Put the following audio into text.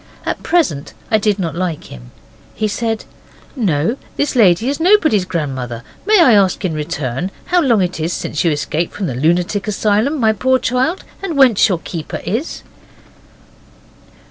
At present I did not like him. He said, 'No, this lady is nobody's grandmother. May I ask in return how long it is since you escaped from the lunatic asylum, my poor child, and whence your keeper is?